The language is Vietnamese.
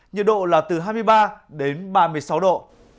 nhiệt độ là từ hai mươi ba đến ba mươi sáu độ